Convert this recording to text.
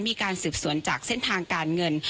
มีการสืบสวนจากเส้นทางการเงิน